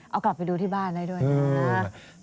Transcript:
เอากลับไปดูที่บ้านได้ด้วยนะครับ